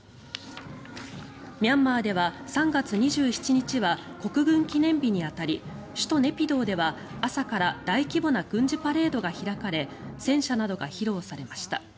ミャンマーでは３月２７日は国軍記念日に当たり首都ネピドーでは朝から大規模な軍事パレードが開かれ戦車などが披露されました。